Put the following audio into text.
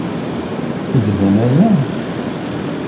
Tegzam aya?